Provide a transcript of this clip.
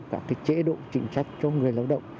các cái chế độ chính trách cho người lao động